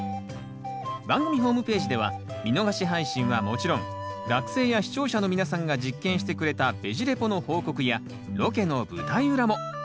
番組ホームページでは見逃し配信はもちろん学生や視聴者の皆さんが実験してくれたベジ・レポの報告やロケの舞台裏も。